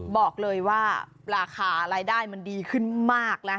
บอกเลยว่าราคารายได้มันดีขึ้นมากแล้ว